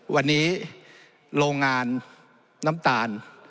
วันนี้โรงงานน้ำตาล